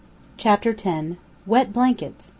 CHAPTER X. WET BLANKETS.